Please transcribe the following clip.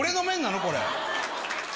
これ。